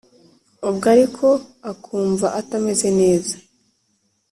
ubwo aliko akumva atameze neza,